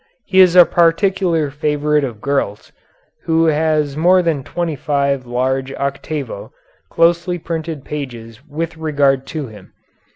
He is a particular favorite of Gurlt's, who has more than twenty five large octavo, closely printed pages with regard to him.